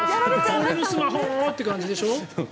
俺のスマホ！って感じでしょ。